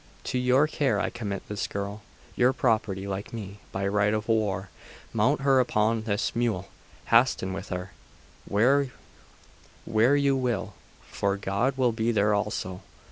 To your care I commit this girl your property, like me, by right of war. Mount her upon this mule. Hasten with her where you will for God will be there also.